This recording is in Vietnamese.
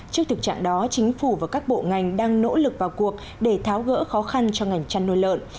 trước thực trạng đó chính phủ và các bộ ngành đang nỗ lực vào cuộc để tháo gỡ khó khăn cho ngành chăn nuôi lợn